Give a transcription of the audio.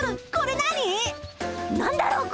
何だろう？